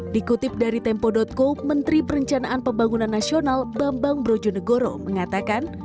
dikutip dari tempo com menteri perencanaan pembangunan nasional bambang brojonegoro mengatakan